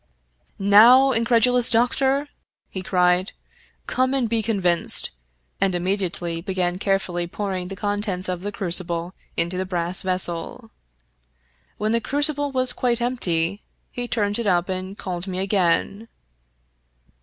" Now, incredulous doctor !" he cried, " come and be convinced," and immediately began carefully pouring the contents of the crucible into the brass vessel. When the crucible was quite empty he turned it up and called me again.